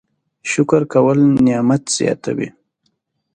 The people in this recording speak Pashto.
شکر کول نعمت زیاتوي